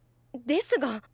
ですが。